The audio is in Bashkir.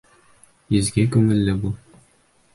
Изге күңелле бул.